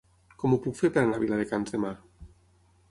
Com ho puc fer per anar a Viladecans demà?